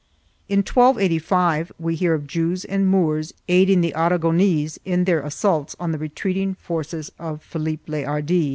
3 In 1285 we hear of Jews and Moors aiding the Aragonese in their assaults on the retreating forces of Philippe le Hardi.